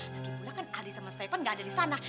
lagipula kan aldi sama steven gak ada di sana